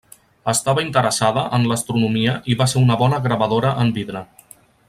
Estava interessada en l'astronomia i va ser una bona gravadora en vidre.